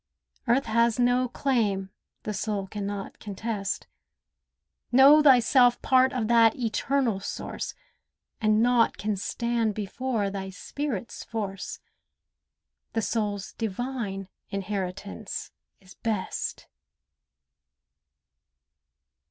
Earth has no claim the soul can not contest. Know thyself part of that Eternal Source, And naught can stand before thy spirit's force. The soul's divine inheritance is best.